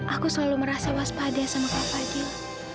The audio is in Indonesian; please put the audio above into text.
aku selalu merasa waspada sama kava dil